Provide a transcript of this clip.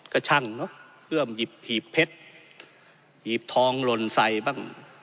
ก็ช่างเนอะเอื้อมหยิบหีบเพชรหีบทองหล่นใส่บ้าง